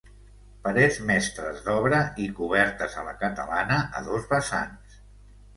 Parets mestres d'obra i cobertes a la catalana a dos vessants.